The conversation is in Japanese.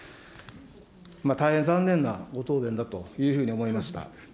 大変残念なご答弁だというふうに思いました。